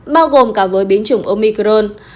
bao gồm cả với biến chủng omicron